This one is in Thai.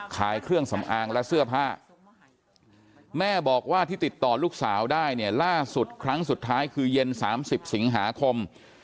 ขายเครื่องสำอางและเสื้อผ้าแม่บอกว่าที่ติดต่อลูกสาวได้เนี่ยล่าสุดครั้งสุดท้ายคือเย็น๓๐สิงหาคม